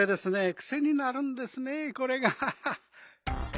くせになるんですねこれが。